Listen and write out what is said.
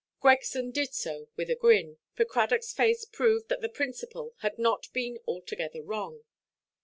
Gregson did so with a grin, for Cradockʼs face proved that the principal had not been altogether wrong.